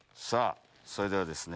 それではですね。